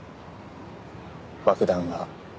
爆弾は。